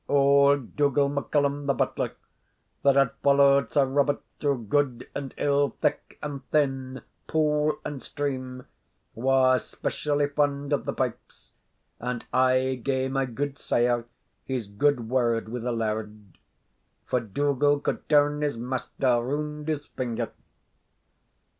Auld Dougal MacCallum, the butler, that had followed Sir Robert through gude and ill, thick and thin, pool and stream, was specially fond of the pipes, and aye gae my gudesire his gude word wi' the laird; for Dougal could turn his master round his finger.